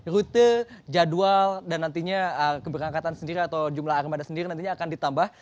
rute jadwal dan nantinya keberangkatan sendiri atau jumlah armada sendiri nantinya akan ditambah